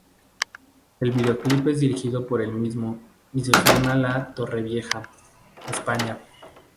El videoclip es dirigido por el mismo y se filma en Torrevieja, España.